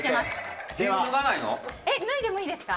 脱いでもいいですか？